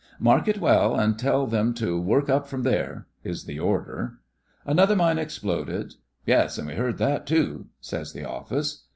*' Mark it well, and tell them to work up from there," is the order. "Another mine exploded!" "Yes, and we heard that too," says the Office.